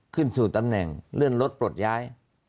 ขึ้นสู่ตำแหน่งเลื่อนรถปลดย้าย